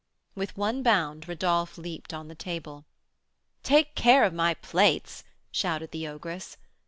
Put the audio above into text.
With one bound Rodolph leaped on the table. "Take care of my plates!" shouted the ogress.